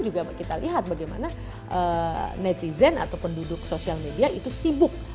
juga kita lihat bagaimana netizen atau penduduk sosial media itu sibuk